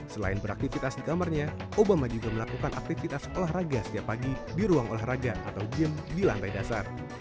selain beraktivitas di kamarnya obama juga melakukan aktivitas olahraga setiap pagi di ruang olahraga atau game di lantai dasar